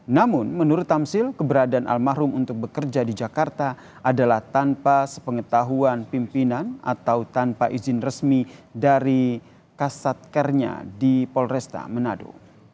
namun menurut tamsil keberadaan almarhum untuk bekerja di jakarta adalah tanpa sepengetahuan pimpinan atau tanpa izin resmi dari kasatkernya di polresta menado